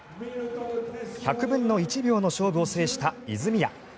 １００分の１秒の勝負を制した泉谷。